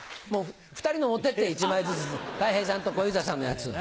２人の持ってって１枚ずつたい平さんと小遊三さんのやつ。